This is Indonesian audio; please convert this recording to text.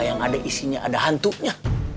yang ada isinya ada hantunya